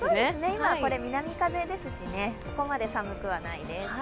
今、これ、南風ですし、そこまで寒くはないです。